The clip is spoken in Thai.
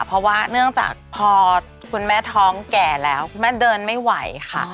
เพราะว่าเนื่องจากพอคุณแม่ท้องแก่แล้วคุณแม่เดินไม่ไหวค่ะ